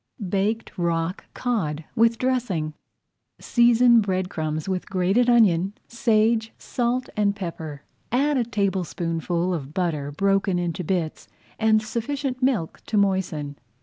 BAKED ROCK COD WITH DRESSING Season bread crumbs with grated onion, sage, salt, and pepper. Add a tablespoonful of butter broken into bits, and sufficient milk to moisten.